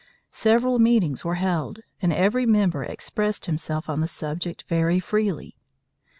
Several meetings were held, and every member expressed himself on the subject very freely.